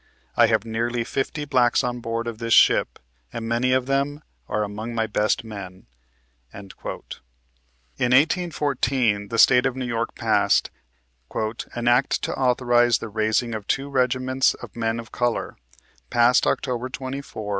I have nearly fifty blacks on board of this ship, and many of them are among my best men." In 1814 the State of New York passed "An Act to authorize the raising of two regiments of men of color ; passed October 24, 1814."